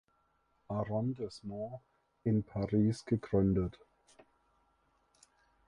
Arrondissement in Paris gegründet.